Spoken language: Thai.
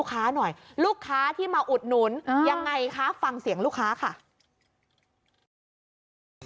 กินกันทั่วไปครับผมอืมแล้วเราจะมากินอยู่ไหนแบบนี้